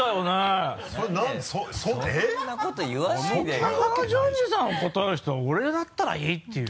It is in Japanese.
高田純次さんを断る人が俺だったらいいっていう。